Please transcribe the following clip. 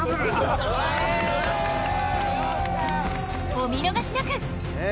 お見逃しなく！